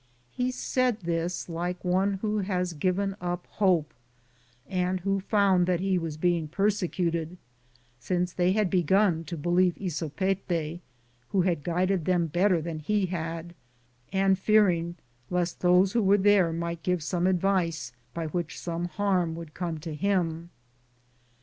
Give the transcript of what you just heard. He said this like one who had given up hope and who found that he was being persecuted, since they had begun to believe Ysopete, who had guided them better than he had, and fearing lest those who were there might give some ad vice by which some harm would come to him.